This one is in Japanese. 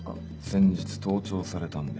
先日盗聴されたんで。